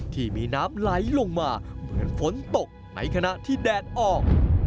ที่มีน้ำไหลลงมาเหมือนฝนตกในขณะที่แดดออก